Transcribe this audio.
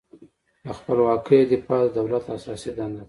له خپلواکۍ دفاع د دولت اساسي دنده ده.